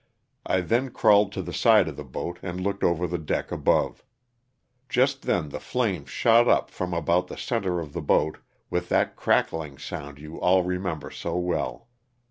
I then crawled to the side of the boat and looked over the deck above. Just then the flames shot up from about the center of the boat with that crackling sound you all remember so well.